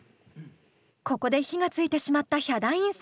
ここで火がついてしまったヒャダインさん。